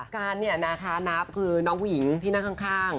การเนี่ยนะคะนับคือน้องผู้หญิงที่นั่งข้าง